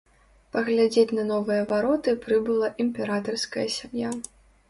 Паглядзець на новыя вароты прыбыла імператарская сям'я.